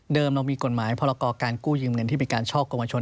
เรามีกฎหมายพรกรการกู้ยืมเงินที่เป็นการช่อกรมชน